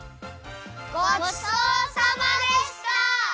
ごちそうさまでした！